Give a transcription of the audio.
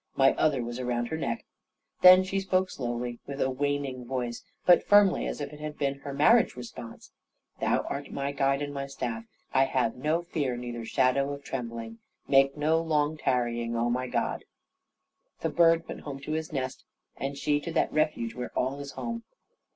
My other was round her neck. Then she spoke slowly, and with a waning voice; but firmly, as if it had been her marriage response. "Thou art my guide, and my staff. I have no fear, neither shadow of trembling. Make no long tarrying, oh my God!" The bird went home to his nest, and she to that refuge where all is home.